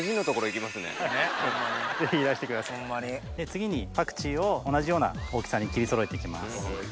次にパクチーを同じような大きさに切りそろえて行きます。